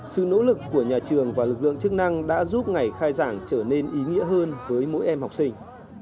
sự nỗ lực của nhà trường và lực lượng chức năng đã giúp ngày khai giảng trở nên ý nghĩa hơn với mỗi em học sinh